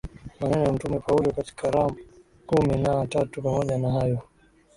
maneno ya Mtume Paulo katika Rum kumi na tatu Pamoja na hayo